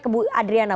ke bu adriana